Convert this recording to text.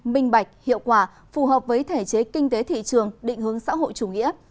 minh bạch hiệu quả phù hợp với thể chế kinh tế thị trường định hướng xã hội chủ nghĩa